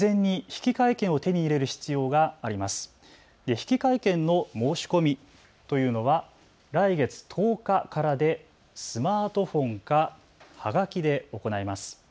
引換券の申し込みというのは来月１０日からでスマートフォンかはがきで行います。